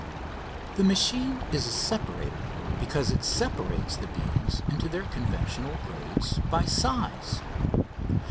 The machine is a separator because it separates the beans into their conventional grades by size.